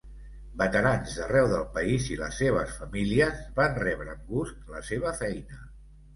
Veterans d'arreu del país i les seves famílies van rebre amb gust la seva feina.